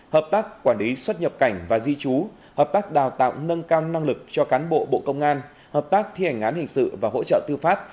hợp tác quản lý xuất nhập cảnh và di trú hợp tác đào tạo nâng cao năng lực cho cán bộ bộ công an hợp tác thi hành án hình sự và hỗ trợ tư pháp